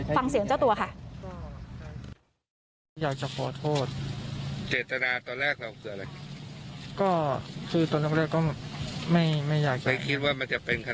ฟังเสียงเจ้าตัวค่ะ